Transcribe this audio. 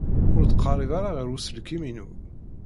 Ur ttqerrib ara ɣer uselkim-inu.